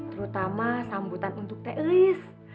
terutama sambutan untuk teis